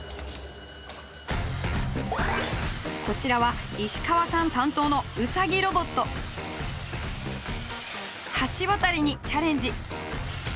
こちらは石川さん担当の橋渡りにチャレンジ。